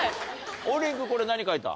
王林君これ何描いた？